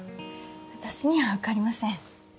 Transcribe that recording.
私にはわかりません。